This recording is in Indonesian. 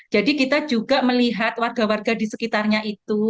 jadi kita juga melihat warga warga di sekitarnya itu